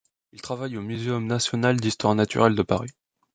Il travaille au Muséum national d'histoire naturelle de Paris.